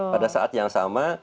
pada saat yang sama